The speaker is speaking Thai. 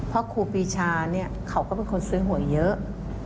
เพราะครูปีชาเนี่ยเขาก็เป็นคนซื้อหวยเยอะ